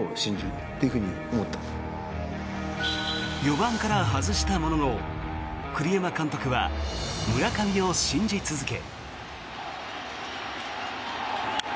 ４番から外したものの栗山監督は村上を信じ続け。